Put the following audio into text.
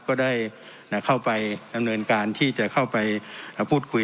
ก็ได้เข้าไปดำเนินการที่จะเข้าไปพูดคุย